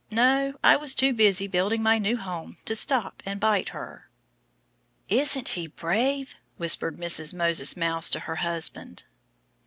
"No! I was too busy, building my new home, to stop and bite her." "Isn't he brave!" whispered Mrs. Moses Mouse to her husband.